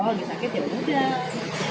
oh lagi sakit yaudah